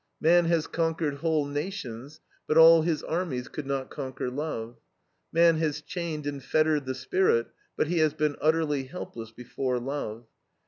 Man has conquered whole nations, but all his armies could not conquer love. Man has chained and fettered the spirit, but he has been utterly helpless before love.